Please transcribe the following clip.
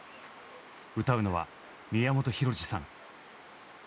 歌うのは宮本浩次さん。